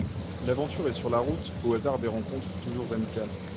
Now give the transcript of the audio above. L’aventure est sur la route au hasard des rencontres toujours amicales.